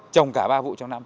trồng cả ba vụ trong năm